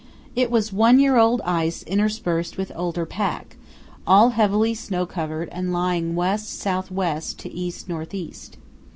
It was one year old ice interspersed with older pack, all heavily snow covered and lying west south west to east north east.